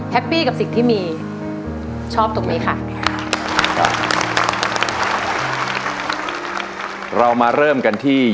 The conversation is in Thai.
แฮปปี้กับสิ่งที่มีชอบตรงนี้ค่ะ